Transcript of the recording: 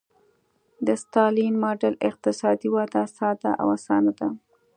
د ستالین ماډل اقتصادي وده ساده او اسانه وه.